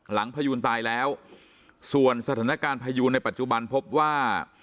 พยูนตายแล้วส่วนสถานการณ์พยูนในปัจจุบันพบว่า